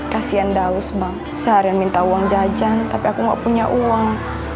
kasian daus bang seharian minta uang jajan tapi aku gak punya uang